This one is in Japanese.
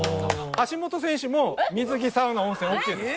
橋本選手も水着サウナ温泉ＯＫです。